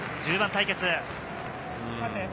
１０番対決。